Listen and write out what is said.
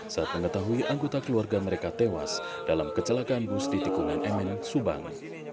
saat mengetahui anggota keluarga mereka tewas dalam kecelakaan bus di tikungan emen subang